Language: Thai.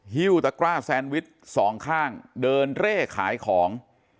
ฮิ้วตะกร้าแซนวิชสองข้างเดินเร่ขายของ